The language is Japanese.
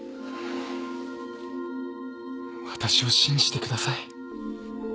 わたしを信じてください。